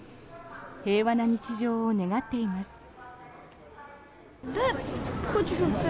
平和な日常を願っています。